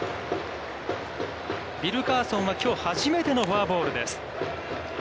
ウィルカーソンはきょう初めてのフォアボールです。